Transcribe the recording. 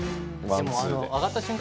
上がった瞬間